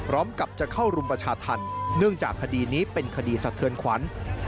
พร้อมกับจะเข้ารุมประชาธรรมเนื่องจากคดีนี้เป็นคดีสะเทือนขวัญ